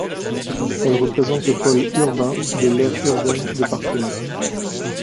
Elle représente le pôle urbain de l'aire urbaine de Parthenay.